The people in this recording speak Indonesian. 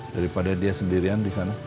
daripada dia sendirian di sana